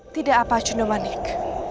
tidak apa cundomanik